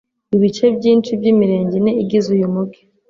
ibice byinshi by'Imirenge ine igize uyu Mugi